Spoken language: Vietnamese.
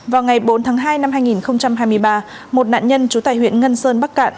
vào ngày bốn tháng hai năm hai nghìn hai mươi ba một nạn nhân trú tại huyện ngân sơn bắc cạn